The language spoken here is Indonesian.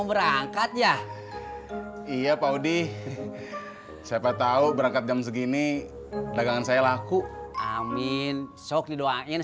berangkat ya iya pak udi siapa tahu berangkat jam segini dagangan saya laku amin sok didoain